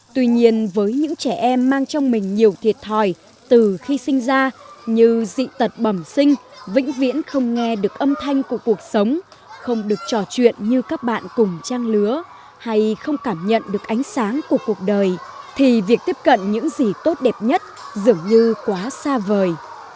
tuy nhiên với những trẻ em mang trong mình nhiều thiệt thòi từ khi sinh ra như dị tật bẩm sinh vĩnh viễn không nghe được âm thanh của cuộc sống không được trò chuyện như các bạn cùng trang lứa hay không cảm nhận được ánh sáng của cuộc đời thì việc tiếp cận những gì tốt đẹp nhất dường như quá xa vời